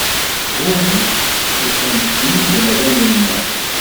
Ɣum, ṣṣifa-m tesmundleḍ allen-nneɣ.